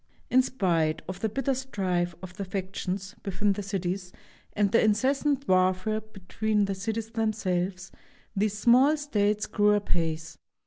In spite of the bitter strife of the factions within the cities and the incessant warfare between the cities themselves, these small states grew apace.